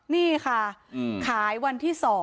นี่ค่ะขายวันที่๒